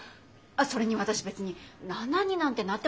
それに私別に７になんてなってませんし。